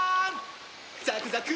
ザクザク！